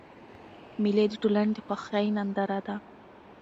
مېلې د ټولني د خوښۍ ننداره ده.